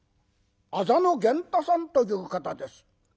「あざの源太さんという方です」。